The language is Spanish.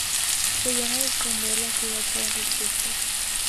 Se llena de esplendor la ciudad para sus fiestas.